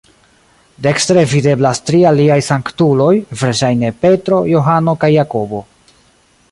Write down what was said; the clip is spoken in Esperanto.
Dekstre videblas tri aliaj sanktuloj, verŝajne Petro, Johano kaj Jakobo.